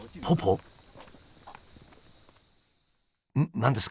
何ですか？